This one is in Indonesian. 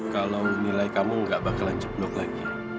kalau nilai kamu gak bakalan jeblok lagi